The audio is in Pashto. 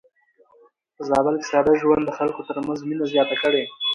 په زابل کې ساده ژوند د خلکو ترمنځ مينه زياته کړې.